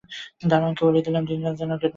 দারোয়ানকে বলে দিলাম দিনরাত যেন গেট বন্ধ থাকে।